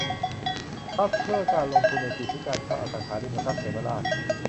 ทรัสต์เพื่อการลงทุนในสิทธิการเช่าอสังหาริมทรัพย์เหมราช